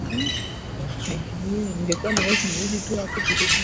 mwandishi Herodoti mnamo mianne hamsini Ilhali maandiko